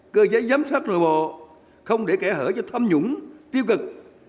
cơ chế giám sát nội bộ không để kẻ hở cho thâm nhũng tiêu cực